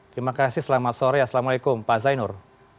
terima kasih selamat sore assalamualaikum pak zainur